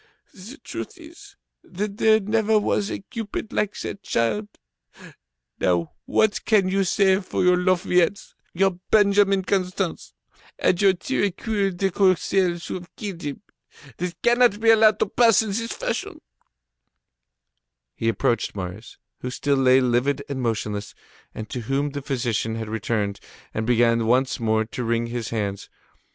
The truth is, that there never was a cupid like that child. Now, what can you say for your Lafayettes, your Benjamin Constants, and your Tirecuir de Corcelles who have killed him? This cannot be allowed to pass in this fashion." He approached Marius, who still lay livid and motionless, and to whom the physician had returned, and began once more to wring his hands.